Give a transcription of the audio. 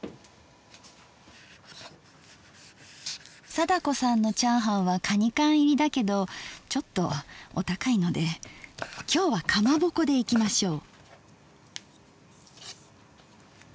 貞子さんのチャーハンはカニ缶入りだけどちょっとお高いので今日は「かまぼこ」でいきましょう。